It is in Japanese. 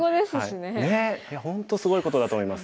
ねえいや本当すごいことだと思います。